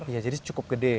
iya jadi cukup gede